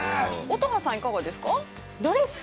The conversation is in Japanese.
◆乙葉さん、いかがですか？